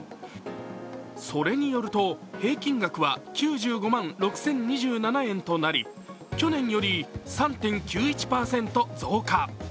それによると、平均額は９５万６０２７円となり、去年より３．９１％増加。